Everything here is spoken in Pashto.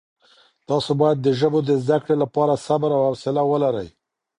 تاسي باید د ژبو د زده کړې لپاره صبر او حوصله ولرئ.